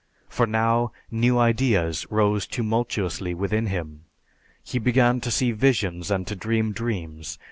For now, new ideas rose tumultuously within him. _He began to see visions and to dream dreams.